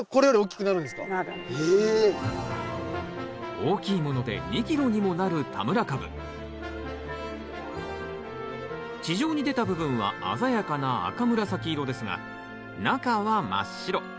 大きいもので２キロにもなる地上に出た部分は鮮やかな赤紫色ですが中は真っ白。